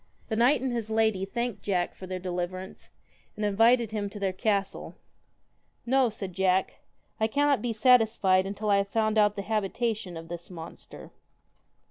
The knight and his lady thanked Jack for their deliverance, and invited him to their castle. * No,' said Jack, ' I cannot be satisfied until I have found out the habitation of this monster.'